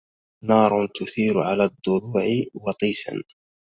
نار تثير على الضلوع وطيسا